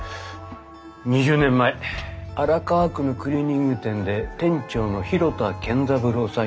２０年前荒川区のクリーニング店で店長の広田健三郎さん